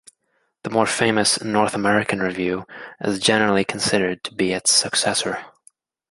The more famous "North American Review" is generally considered to be its successor.